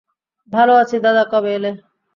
ভালো আছি দাদা, কবে এলে?